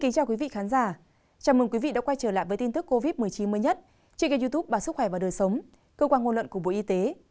chào mừng quý vị đã quay trở lại với tin tức covid một mươi chín mới nhất trên kênh youtube bà sức khỏe và đời sống cơ quan ngôn luận của bộ y tế